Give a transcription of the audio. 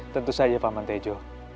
tentu saja pak mantejo